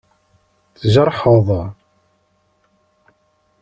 Tjerḥeḍ?